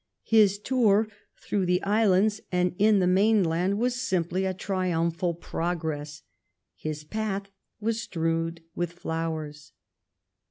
His tour through the islands and in the mainland was simply a trium phal progress. His path was strewed with flowers.